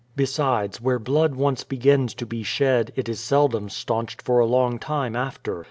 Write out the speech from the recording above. Besides, where blood once begins to be shed, it is seldom staunched for a long time after.